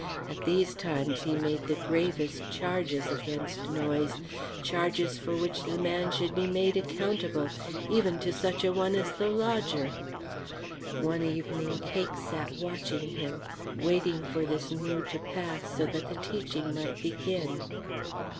At these times he made the gravest charges against Noyes; charges for which the man should be made accountable, even to such a one as the lodger. One evening Cake sat watching him, waiting for this mood to pass so that the teaching might begin.